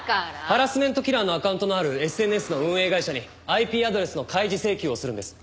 ハラスメントキラーのアカウントのあるＳＮＳの運営会社にＩＰアドレスの開示請求をするんです。